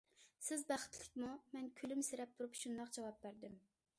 سىز بەختلىكمۇ؟ مەن كۈلۈمسىرەپ تۇرۇپ شۇنداق جاۋاب بەردىم.